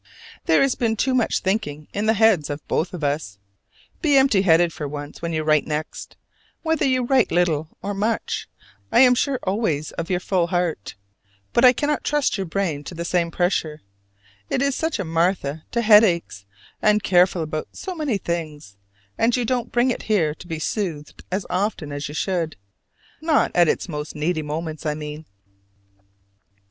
There has been too much thinking in the heads of both of us. Be empty headed for once when you write next: whether you write little or much, I am sure always of your full heart: but I cannot trust your brain to the same pressure: it is such a Martha to headaches and careful about so many things, and you don't bring it here to be soothed as often as you should not at its most needy moments, I mean.